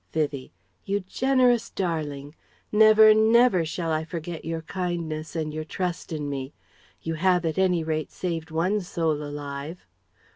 Vivie: "You generous darling! Never, never shall I forget your kindness and your trust in me. You have at any rate saved one soul alive."